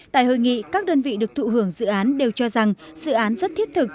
tại hội nghị các đơn vị được thụ hưởng dự án đều cho rằng dự án rất thiết thực